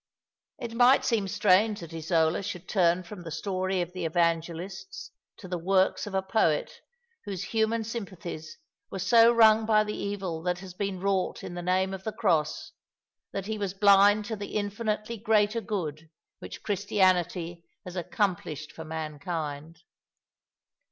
It might seem strange that Isola should turn from the story of the Evangelists to the works of a poet whose human sympathies were so wrung by the evil that has been wrought in the name of the Cross that he was blind to the infinitely greater good which Christianity has accomplished for man kind.